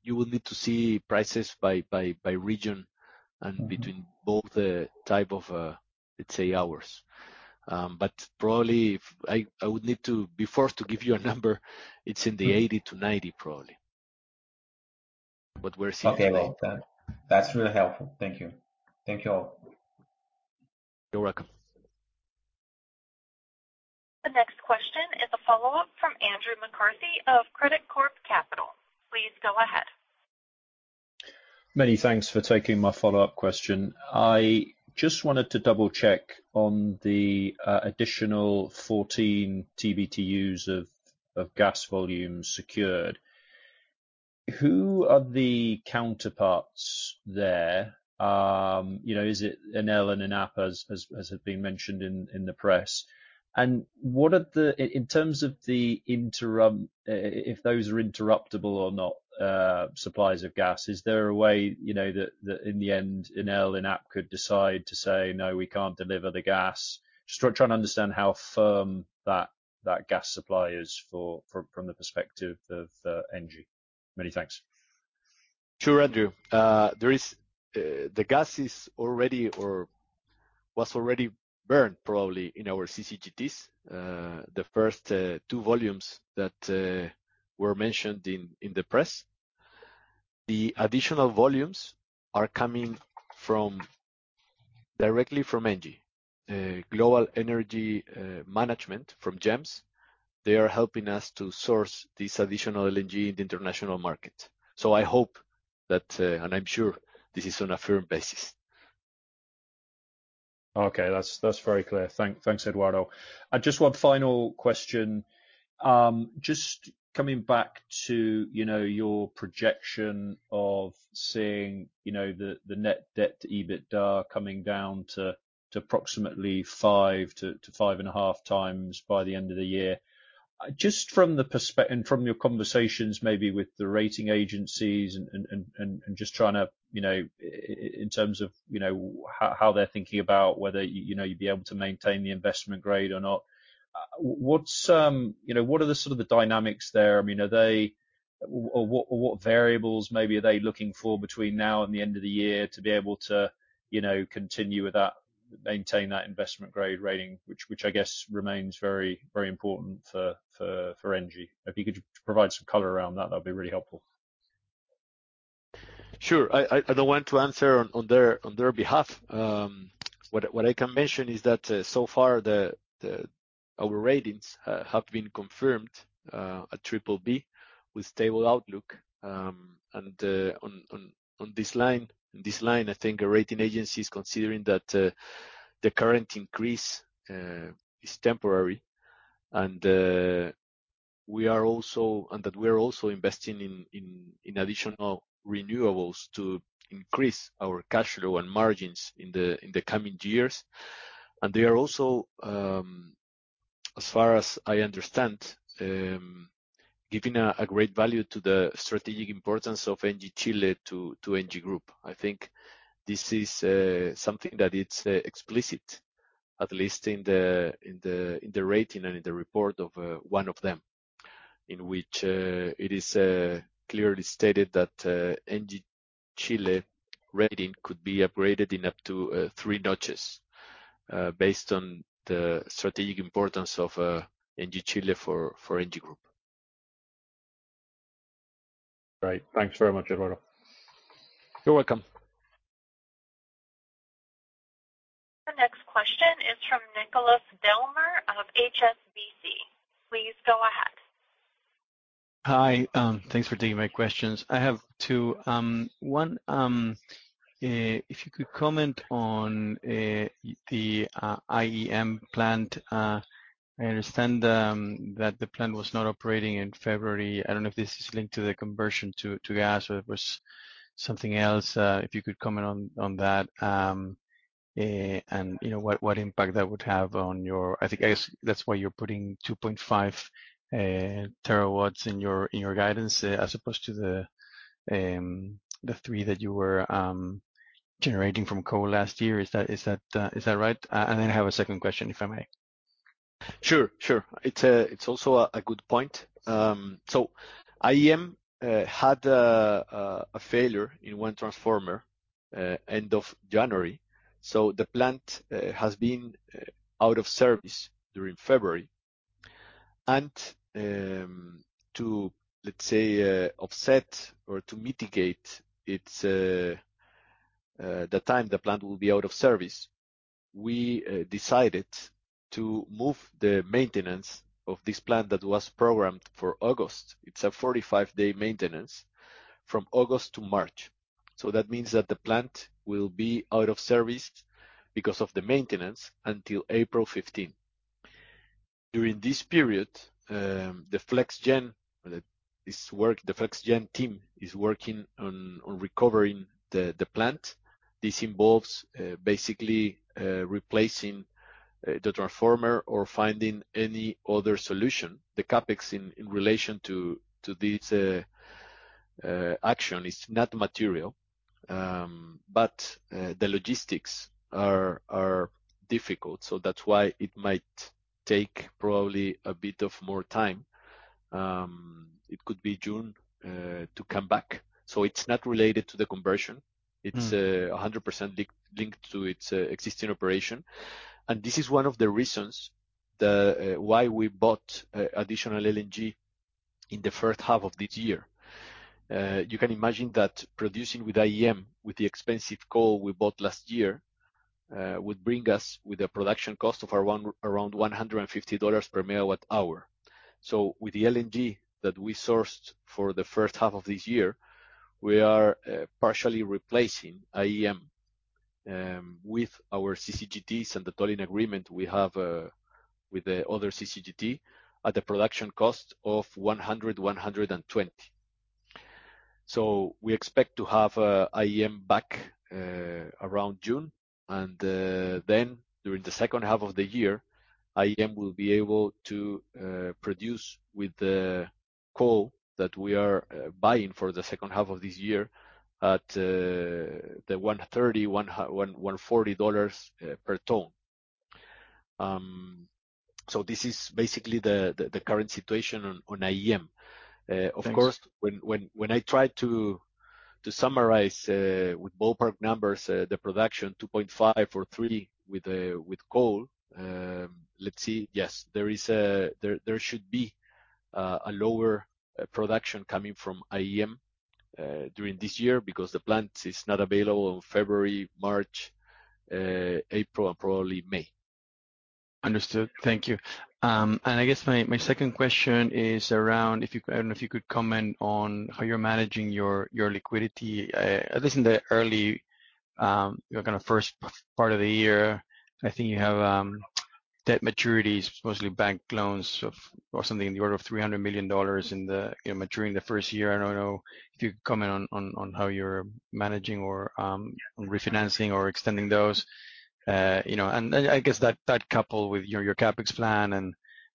you will need to see prices by region and between both the type of, let's say, hours. Probably. I would need to be forced to give you a number, it's in the 80-90, probably. we're seeing. Okay. Well, that's really helpful. Thank you. Thank you all. You're welcome. The next question is a follow-up from Andrew McCarthy of Credicorp Capital. Please go ahead. Many thanks for taking my follow-up question. I just wanted to double-check on the additional 14 TBtu's of gas volume secured. Who are the counterparts there? You know, is it Enel and ENAP as had been mentioned in the press? What are the... if those are interruptible or not, supplies of gas, is there a way, you know, in the end, Enel, ENAP could decide to say, "No, we can't deliver the gas"? Trying to understand how firm that gas supply is from the perspective of ENGIE. Many thanks. Sure, Andrew. There is, the gas is already or was already burned probably in our CCGTs. The first, two volumes that were mentioned in the press. The additional volumes are coming from, directly from ENGIE. Global Energy Management, from GEMS. They are helping us to source this additional LNG in the international market. I hope that, and I'm sure this is on a firm basis. Okay. That's very clear. Thanks, Eduardo. Just one final question. Just coming back to, you know, your projection of seeing, you know, the net debt to EBITDA coming down to approximately 5 to 5.5 times by the end of the year. Just from your conversations, maybe with the rating agencies and just trying to, you know, in terms of, you know, how they're thinking about whether, you know, you'd be able to maintain the investment grade or not. What's, you know, what are the sort of the dynamics there? I mean, are they... What variables maybe are they looking for between now and the end of the year to be able to, you know, continue with that, maintain that investment grade rating, which I guess remains very, very important for ENGIE? If you could provide some color around that'd be really helpful. Sure. I don't want to answer on their behalf. What I can mention is that so far our ratings have been confirmed at triple B with stable outlook. On this line, I think a rating agency is considering that the current increase is temporary. We're also investing in additional renewables to increase our cash flow and margins in the coming years. They are also, as far as I understand, giving a great value to the strategic importance of Engie Chile to Engie Group. I think this is something that it's explicit, at least in the rating and in the report of one of them. In which it is clearly stated that Engie Chile rating could be upgraded in up to 3 notches, based on the strategic importance of Engie Chile for ENGIE Group. Great. Thanks very much, Eduardo. You're welcome. The next question is from Nicolas Delamer of HSBC. Please go ahead. Hi. Thanks for taking my questions. I have two. One, if you could comment on the IEM plant. I understand that the plant was not operating in February. I don't know if this is linked to the conversion to gas or it was something else. If you could comment on that. You know, what impact that would have on your... I guess that's why you're putting 2.5 TW in your guidance, as opposed to the 3 that you were generating from coal last year. Is that right? Then I have a second question, if I may. Sure, sure. It's also a good point. IEM had a failure in one transformer end of January. The plant has been out of service during February. To, let's say, offset or to mitigate its the time the plant will be out of service, we decided to move the maintenance of this plant that was programmed for August. It's a 45-day maintenance from August to March. That means that the plant will be out of service because of the maintenance until April 15th. During this period, the Flex Gen team is working on recovering the plant. This involves basically replacing the transformer or finding any other solution. The CapEx in relation to this action is not material, but the logistics are difficult. That's why it might take probably a bit of more time. It could be June to come back. It's not related to the conversion. Mm. It's 100% linked to its existing operation. This is one of the reasons why we bought additional LNG in the first half of this year. You can imagine that producing with IEM, with the expensive coal we bought last year, would bring us with a production cost of around $150 per megawatt hour. With the LNG that we sourced for the first half of this year, we are partially replacing IEM with our CCGTs and the tolling agreement we have with the other CCGT at a production cost of $100-$120 per megawatt hour. We expect to have IEM back around June, and then during the second half of the year, IEM will be able to produce with the coal that we are buying for the second half of this year at $130-$140 per ton. This is basically the current situation on IEM. Thanks. Of course, when I try to summarize, with ballpark numbers, the production 2.5 or 3 with coal, let's see. Yes, there should be a lower production coming from IEM during this year because the plant is not available on February, March, April, and probably May. Understood. Thank you. I guess my second question is around if you, I don't know if you could comment on how you're managing your liquidity. This in the early, you know, kind of first part of the year, I think you have debt maturities, mostly bank loans of, or something in the order of $300 million, in the, you know, maturing the first year. I don't know if you could comment on how you're managing or refinancing or extending those, you know, and I guess that coupled with your CapEx plan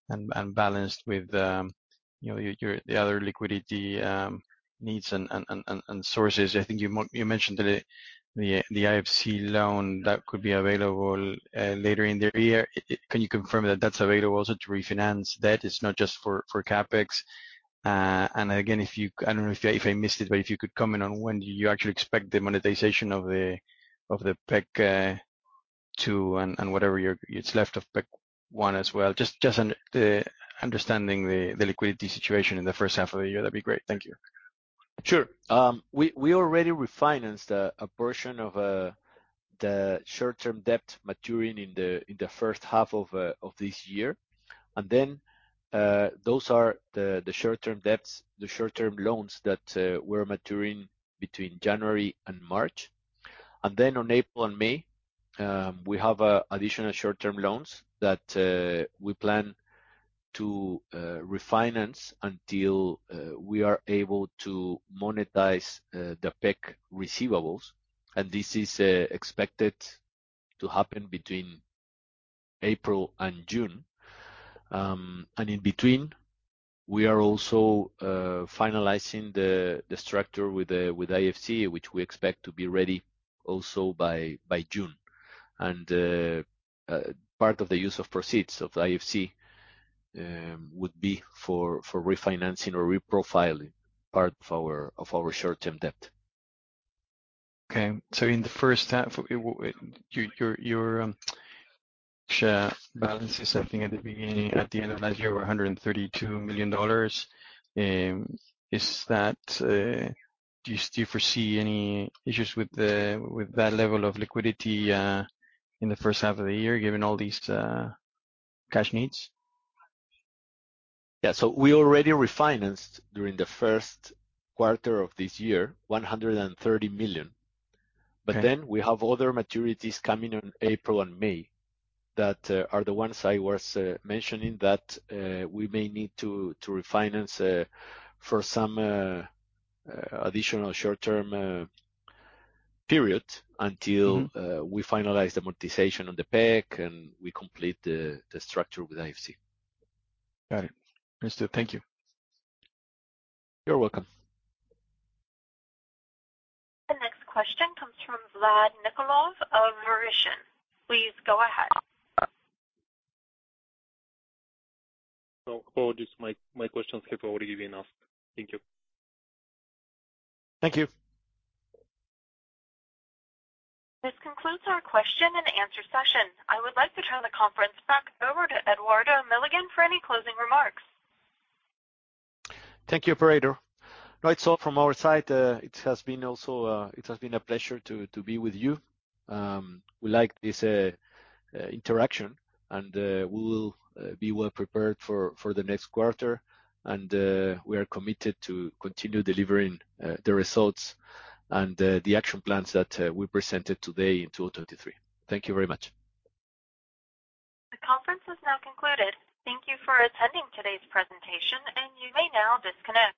and balanced with, you know, your the other liquidity needs and sources. I think you mentioned the IFC loan that could be available later in the year? Can you confirm that that's available also to refinance debt? It's not just for CapEx. Again, I don't know if I missed it, but if you could comment on when you actually expect the monetization of the PEC 2 and whatever is left of PEC 1 as well. Just understanding the liquidity situation in the first half of the year, that'd be great. Thank you. Sure. We already refinanced a portion of the short-term debt maturing in the first half of this year. Then those are the short-term debts, the short-term loans that were maturing between January and March. Then on April and May, we have additional short-term loans that we plan to refinance until we are able to monetize the PEC receivables. This is expected to happen between April and June. In between, we are also finalizing the structure with IFC, which we expect to be ready also by June. Part of the use of proceeds of the IFC would be for refinancing or reprofiling part of our short-term debt. Okay. In the first half, your balances, I think at the beginning, at the end of last year, were $132 million. Do you still foresee any issues with that level of liquidity in the first half of the year, given all these cash needs? Yeah. We already refinanced during the first quarter of this year, $130 million. Okay. We have other maturities coming on April and May that are the ones I was mentioning that we may need to refinance for some additional short-term period. Mm-hmm. We finalize the monetization on the PEC and we complete the structure with IFC. Got it. Understood. Thank you. You're welcome. The next question comes from Vlad Nikolov of Merrill. Please go ahead. No, apologies. My questions have already been asked. Thank you. Thank you. This concludes our question and answer session. I would like to turn the conference back over to Eduardo Milligan for any closing remarks. Thank you, operator. Right. From our side, it has been also, it has been a pleasure to be with you. We like this interaction, and we will be well prepared for the next quarter. We are committed to continue delivering the results and the action plans that we presented today in 2023. Thank you very much. The conference is now concluded. Thank you for attending today's presentation. You may now disconnect.